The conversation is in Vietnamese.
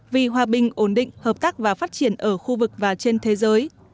vì hòa bình ổn định hợp tác và phát triển ở khu vực và trên thế giới